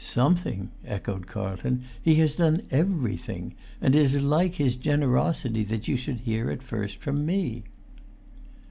"Something?" echoed Carlton. "He has done everything, and it is like his generosity that you should hear it first from me!"